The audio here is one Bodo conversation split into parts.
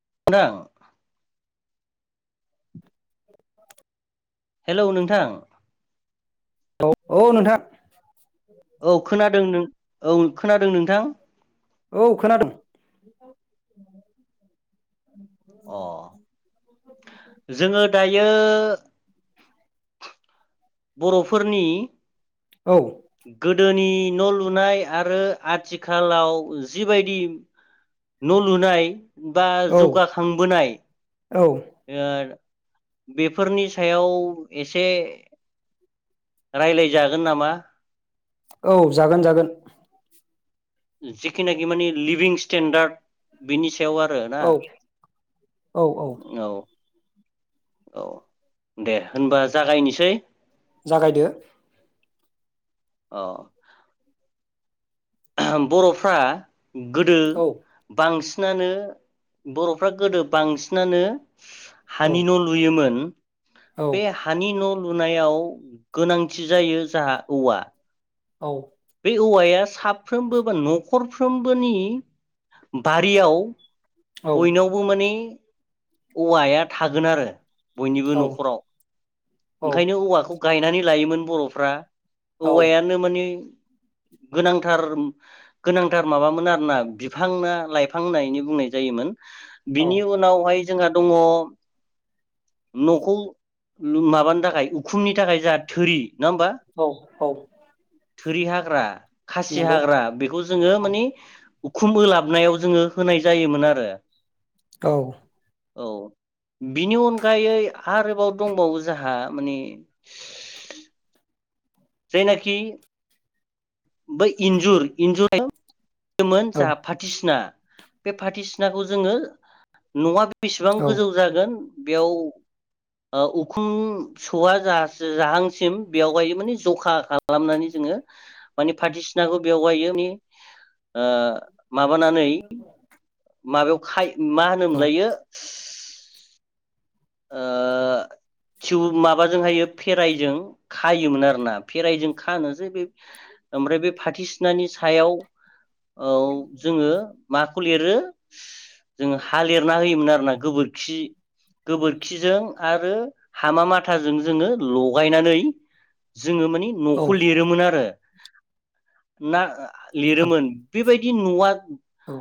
[unintelligible] [inaudible] हेलौ नोंथां औ औ नोंथां। खोनादों नों औ खोनादों नोंथां। औ खोनादों। अ जोङो दायो बर'फोरनि औ गोदोनि न' लुनाय आरो आथिखालाव जिबायदि न' लुनाय बा औ जौगाखांबोनाय औ ओ बेफोरनि सायाव एसे रायलायजागोन नामा? औ जागोन जागोन जिखिनाखि माने लिभिं स्टेन्डार्ड बेनि सायाव सायाव आरो ना औ औ औ दे होनबा जागायनोसै । जागायदो अ बर'फ्रा गोदो औ बांसिन नानो बर'फ्रा गोदो बांसिनानो औ हानि न' लुयोमोन । औ बेे हानि न लुनायाव गोनांथि जायो जोंहा औवा । औ औवाया साफ्रोमबो बा न'खरफ्रोमबोनि बारियाव औ बयनावबो माने औवाया थागोन आरो बयनिबो न'खराव ओंखायनो औवाखौ गायनानै लायोमोन बर'फ्रा औ औवायानो माने गोनांथार गोनांथार माबामोन आरोना बिफां ना लाइफां होननानै बुंनाय जायोमोन औ बिनि उनावहाय जोंहा दङ न'खौ माबानो थाखाय उखुमनि थाखाय जोंहा थोरि । औ औ थोरि हाग्रा खासि नंगौ हाग्रा बेखौ जोङो माने उखुम होलाबनायाव जोङो होनाय जायोमोन । [inaudible] औ औ बिनि अनगायै आरोबाव दंबावो जोंहा माने जायनाखि बै इन्जुर इन्जुर मोन औ जोंहा फाथोसिना बे फाथो सिनाखौ जोङो न'आ बेसेबां औ गोजौ जागोन बेयाव उखुम सौवा जाहांसिम बेवहाय माने जखा खालामनानै जोङो माने फाथो सिनाखौ बेव गायो माने माबानानै [inaudible] माबायाव खायो मा होनोमोनलायो [inaudible] टिउ माबाजोंहायो फेराइजों खायोमोन आरोना फेरायजों खानोसै बे ओमफ्राय बे फाथो सिनानि सायाव औ जोङो माखौ लिरो जो हा लिरना होयोमोन आरोना गोबोरखि गोबोरखिजों आरो हामा माथाजों जोङो लगायनानै जोङो मानि औ न'खौ लिरोमोन आरो ना औ लिरोमोन बेबायदि बि न आ औ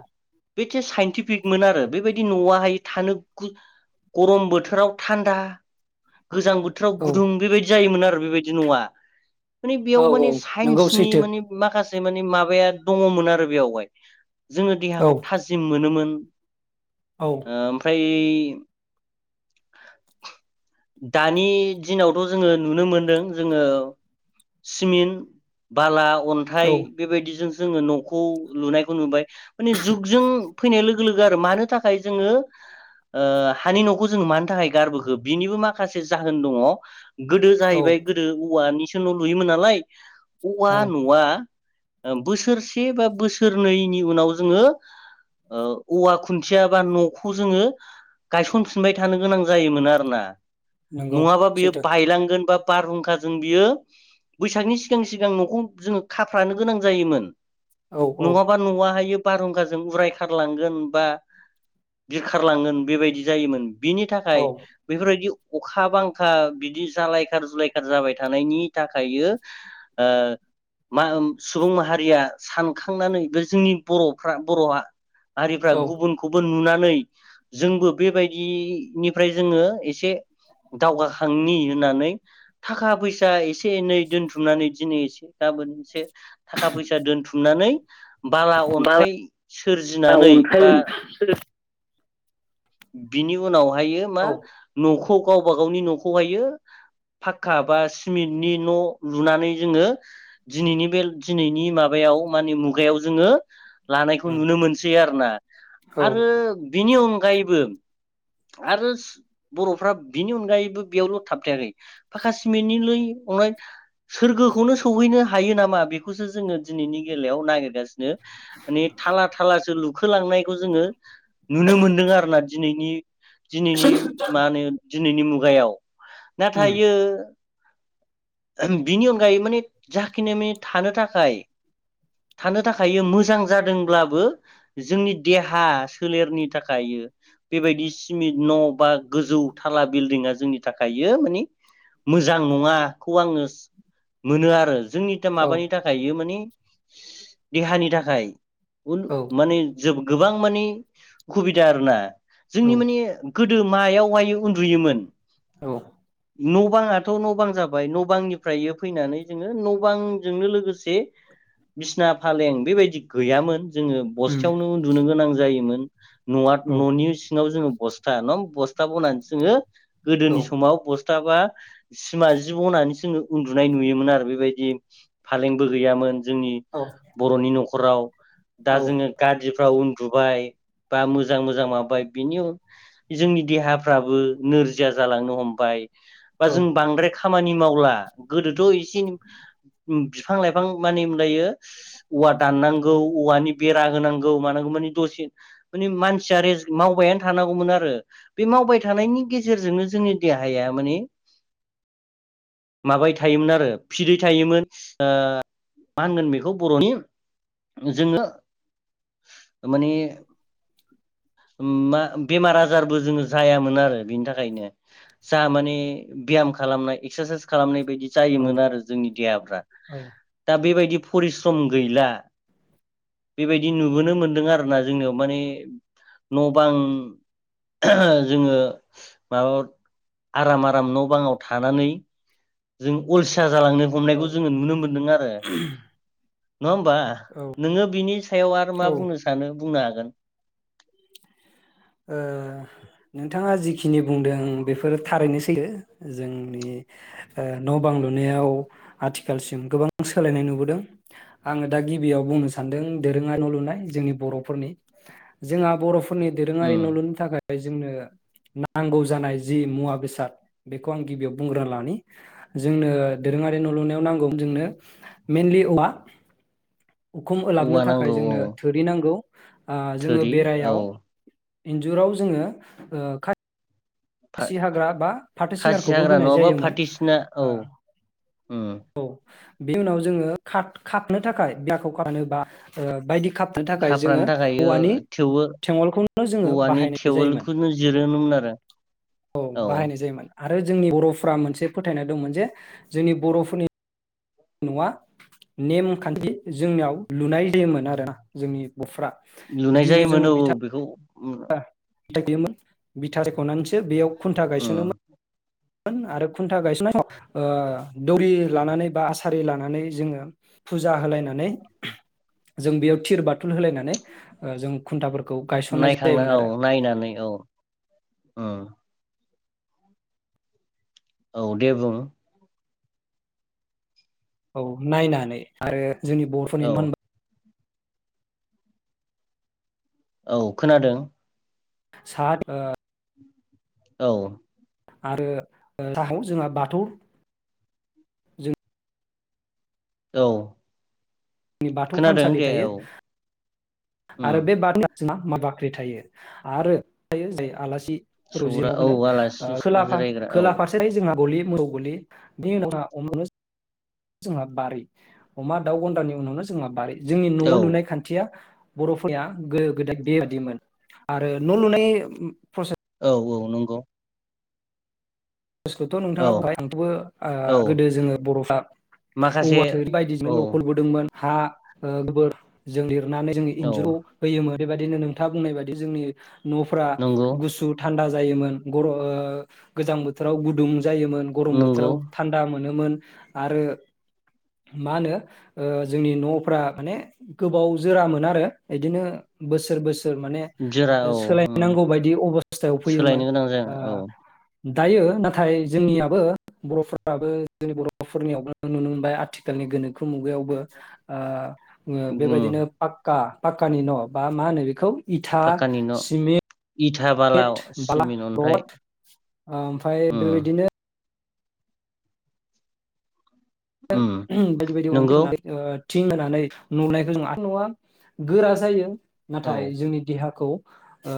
बे साइन्टिफिकमोन आरो बेबायदि न'आहाय थानो गरम बोथोराव थान्दा गोजां बोथोराव गुदुं बेबायदि जायोमोन आरो बेबायदि नङा माने बेयाव औ माने नंगौ साइन्सनि सैथो माने माखासे से माने माबाया दङमोन आरो बेयावहाय जोङो औ देहाखौ थाजिम मोनोमोन औ [inaudible] ओमफ्राय बे दानि दिनावथ' जोङो नुनो मोनदों जोङो सिमिन्ट बाला अन्थाइ औ बेबायदिजों जोङो न'खौ लुनायखौ नुबाय माने जुगजों फैनाय लोगो आरो मानो थाखाय जोङो ओ हानि न'खौ जोंङो मानो थाखाय गारबोखो बिनिबो माखासे जाहोन दङ गोदो औ जाहैबाय गोदो औवानि न लुयोमोन नालाय औवा औ न आ बोसोरसे बा बोसोरनैनि उनाव जोङो ओ औवा खुन्थिया बा न'खौ जोङो गायसनफिनबाय थानो गोनां जायोमोन आरो ना नंगौ नङाबा बियो सैथो बायलांगोन बा बारहुंखा जों बियो बैसागनि सिगां सिगां न'खौ जोङो खाफ्रानो गोनां जायोमोन । औ औ नङाबा नवाहायो बारहुंखाजों उरायखारलांगोन बा बिरखारलांगोन बेबायदि बिदि जायोमोन बिनि थाखाय औ बेफोरबायदि अखा बांखा बिदि जालायखार जुलायखार जाबाय थानायनि थाखायो ओ मा सुबुं माहारिया सानखांनानै बे जोंनि बर'फ्रा बर'आ हारिफ्रा औ गुबुनखौबो नुनानै नै जोंबो बेबायदिनिफ्राय जोङो एसे दावगाखांनि होननानै थाखा फैसा एसे एसे एनै दोनथुमनानै दिनै एसे गाबोन एसे थाखा फैसा दोनथुमनानै बाला बाला अन्थाइ सोरजिनानै अन्थाइ बा बिनि उनाव हायो मा औ न'खौ गावबा गावनि न'खौहायो फाखक्का बा सिमेन्टनि न' लुनानै जोङो दिनैनि बे दिनैनि माबायाव माने मुगायाव जोङो लानायखौ नुनो मोनसै आरोना आरो बिनि अन [unintelligible] आरो बर'फ्रा बिनि अनगायैबो बेयावल' थाबथायाखै फाखा सिमेन्टनिलै अननाय सोरगोखौनो सौहैनो हायो नामा बेखौसो जोङो दिनैनि बेलायाव नागिरगासिनो । माने थाला थालासो लु खोलांनायखौ जोङो नुनो मोनदों आरोना । दिनैनि दिनैनि मा होनो दिनैनि मुगायाव नाथायो बिनि अनगायै माने जाखिनि माने थानो थाखाय थानो थाखायो मोजां जादोंब्लाबो जोंनि देहा सोलेरनि थाखायो बेबायदि सिमिट न' बा गोजौ थाला बिल्डिंआ जोंनि थाखायो माने मोजां नङाखौ आङो मोनो आरो । जोंनि दा औ माबानि थाखायो माने देहानि थाखाय उल औ माने जोबो गोबां माने खुबिदा आरोना औ जोंनि माने गोदो मायावहाय उन्दुयोमोन? औ न' बाङाथ' न' बां जाबाय न' बांनिफ्रायो फैनानै जोङो न' बांजोंनो लोगोसे बिसना फालें बेबायदि गैयामोन। जोङो उम बस्थायावनो उन्दुनो गोनां जायोमोन। न'आ औ न'नि सिङाव जोङो बस्था नं बस्था बनानसो जोङो औ गोदोनि समाव बस था बा सिमा जिब होननानै जोङो उन्दुनाय नुयोमोन आरो बेबायदि फालेंबो गैयामोन जों औ बर'नि न' खराव दा जोङो गादिफ्राव उन दुबाय बा मोजां मोजां माबाय बिनि जोंनि देहाफ्राबो नोरजिया जालांनो हमबाय। बा औ जों बांद्राय खामानि मावला आ गोदोथ' एसिम बिफां लाइफां मानिमलायो औवा दाननांगौ औवानि बेरा होनांगौ मानांगौ मानि दसे मानि मानसिया रेस मावबायानो थानांगौमोन आरो बे मावबाय थानायनि गेजेरजोंनो जोंनि देहाया मानि माबाय थायोमोन आरो फिदै थायोमोन ओ मा होनगोन बेखौ बर'नि जोङो माने मा बेमार आजारबो जोङो जायामोन आरो बिनि थाखायनो। जा माने ब्याम खालामनाय एक्सारसाइस खालामनाय बैदि औ जायोमोन आरो जोंनि देहाफ्रा दा बेबायदि फरिस सम गैला बेबायदि नुबोनो मोनदों आरोना जोंनियाव माने न' बां जोङो माबा आराम आराम न' बाङाव थानानै जों अलसिया जालांनो औ हमनायखौ जोङो नुनो मोनदों आरो। नङा होमबा? औ नोङो बिनि सायाव आरो मा ओ बुंनो सानो बुंनो हाग गोन ओ नोंथाङा जिखिनि बुंदों बेफोर थारैनो सैथो जोंनि ओ न' बां लुनायाव आथिखालसिम गोबां सोलायनाय नुबोदों । आङो दा गिबियाव बुंनो सानदों दोरोङा न' लुनाय जोंनि बर'फोरनि। जोंहा बर'फोरनि दोरोङारि उम न' लुनो थाखाय य जोंनो नांगौ जानाय जि मुवा बेसाद बेखौ आं गिबियाव बुंग्रोना लानि जोंनो दोरोङारि न' लुनायाव नांगौ जोंनो मइेनलि औवा उखुम औवा होलाबनो थाखाय नांगौ औ जोंनो थोरि नांगौ आ जोङो थोरि औ बेरायाव इन्जुराव जोङो ओ खा खासि हाग्रा बा फाथो खासि सिनायखौबो हाग्रा होनाय नङाबा जायोमोन फाथोसिना औ आ। उम औ बे उनाव जोङो खा-खादनो थाखाय बियाखौ खानो बा बायदि खाबनो थाखाय जोङो खाफ्रानो थाखाय औवानि थेवो थेंवलखौनो जोङो औवानि बाहायनाय जायोमोन। थेवोलखौनो जिरोनोमोन आरो औ बाहायनाय जायोमोन। आरो जोंनि बर'फ्रा मोनसे फोथायना दंमोन जे जोंनि बर' फुनि न'आ नेमखान्थि जोंनियाव लुनाय जायोमोन आरोना जोंनि बर'फ्रा लुनाय गिबियाव जायोमोन जोङो औ बिथा बेखौ उम [unintelligible] बिथा रायख'नानैसो बेयाव खुन्था उम गायसनोमोन । आरो खुन्था गायसननाय समाव ओ दौरि लानानै बा आसारि लानानै जोङो फुजा होलायनानै जों बेयाव थिर बाथुल होलायनानै जों खुन्थाफोरखौ गायसननाय नायखांना जायोमोन आरो औ नायनानै औ उम औ दे बुं औ नायनानै आरो । जोंनि बर'फोरनि औ न औ खोनादों साहाथिं औ आरो [unintelligible] जोंहा बाथौ औ जोंनि बाथौ खोनादों थानसालि दे थायो औ आरो उम बे बाथौ ना मा बाख्रि थायो आरो थायो जे आलासि [unintelligible] सौरा औ होनो ओ आलासि खोला फा जिरायग्रा औ खोला फारसेय जोंहा गलि मोसौ गलि बिनि उनाव [unintelligible] जोंहा बारि अमा दाउ गन्द्रानि उनावनो जोंहा बारि जोंनि न' औ लुनाय खान्थिया बर'फोरा गोदो गोदाय बेबायादिमोन आरो न' लुनाय प्रसे औ औ नंगौ बस्थ' औ नोंथाङा बहाय [unintelligible] ओ औ गोदो जोङो बर'फ्रा माखासे औवा थोरि बायदिजोंनो औ न'खौ लुबोदोंमोन । हा गोबोर जोंनि नानै जोंङो औ इन्जुर होयोमोन । बेबायदिनो नोंथाङा बुंनाय बायदि जोंनि न'फ्रा नंगौ गुसु थान्दा जायोमोन गर ओ गोजां बोथोर राव गुदुं जायोमोन गरम नंगौ बोथोराव थान्दा मोनोमोन । आरो मा होनो ओ जोंनि न'फ्रा माने गोबाव जोरामोन आरो बिदिनो बोसोर बोसोर माने जोरा औ उम सोलायनांगौ बायदि अबस्थायाव फैयोमोन सोलायनो गोनां जागोन ओ औ दायो नाथाय जोंनियाबो बर'फोराबो जोंनि बर'फोरनियावबो नुनो मोनबाय आथिखालनि गोनोखो मुगायावबो ओ बेबायदिनो उम पाक्का पाक्कानि न' बा मा होनो बेखौ इथा फाक्कानि न' सिमेन्ट इथा बाला गेट होनबाला सिमेन्ट अन्थाइ रड ओमफ्राय उम बेबायदिनो उम बायदि बायदि नंगौ अन्थाइ ओ थिं होनानै न लुनायखौ जों [unintelligible] गोरा जायो। औ नाथाय जोंनि देहाखौ ओ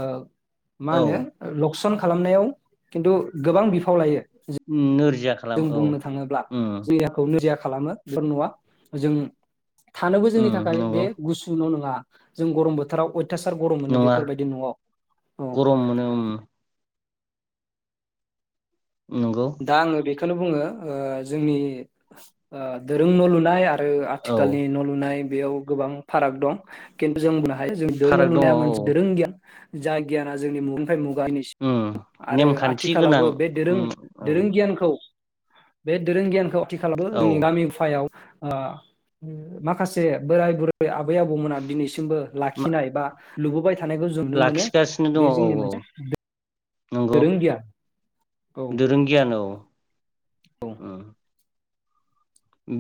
मा औ होनो लक सन खालामनायाव खिन्थु गोबां बिफाव लायो। उम नोर जों खालाम औ बुंनो थाङोब्ला जोंनि देहाखौ नोरजिया खा खालामो बेफोर नया जों थानोबो जोंनि उम थाखाय नंगौ बे गुसु न नं बा जों गरम बोथोराव अथासार गरम मोनो नङा बेफोरबायदि नयाव औ गरम मोनो उम नंगौ दां आंनो बि खोनो बुङो ओ जोंनि दोरों न लुनाय आरो औ आथिखालनि न लुनाय बेयाव गोबां फाराग दं खिन्थु जों बुंनो हा [unintelligible] न फाराग दङ लुनाया मोनसे औ दोरों गियान जा गियाना जोंनि मुं मुगानि उम आरो नेमखान्थि गोनां आथिखालावबो बे दोरों उम औ दोरों गियानखौ बे दोरों गियानखौ आथिखालाव औ जोंनि गामि गुफायाव ओ माखासे बोराय बुरै आबै आबौमोना दिनै बो मा लाखिनाय बा लुबोबाय थानायखौ जों नुनो मोनो। लाखिगासिनो दङ बे औ जोंनि औ मोनसे दोरों गियान औ दुरुं गियान औ औ उम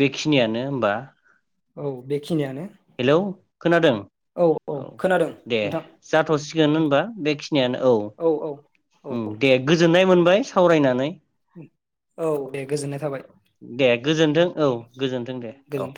बेखिनियानो होमबा औ बेखिनियानो हेलौ खोनादों औ औ खोनादों दे नोंथां जाथ'सिगोन होनबा बेखि नि औ दे गोजोननाय मोन सावरायनानै औ दे गोजोननाय थाबाय दे गोजोनथों औ गोजोनथों दे औ गोजोन्थों।